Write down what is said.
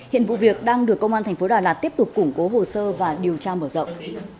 hiện vụ việc đang được công an thành phố đà lạt tiếp tục củng cố hồ sơ và điều tra mở rộng